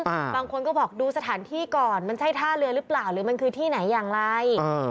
บางคนก็บอกดูสถานที่ก่อนมันใช่ท่าเรือหรือเปล่าหรือมันคือที่ไหนอย่างไรเออ